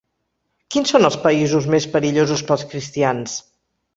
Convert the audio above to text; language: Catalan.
Quins són els països més perillosos pels cristians?